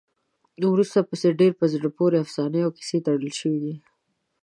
وروسته ورپسې ډېرې په زړه پورې افسانې او کیسې تړل شوي دي.